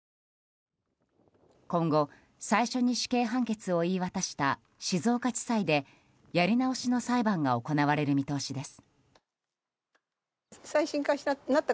今後、最初に死刑判決を言い渡した静岡地裁でやり直しの裁判が行われる見通しです。